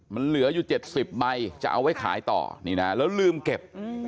มันเหลืออยู่๗๐ใบจะเอาไว้ขายต่อนี่นะแล้วลืมเก็บ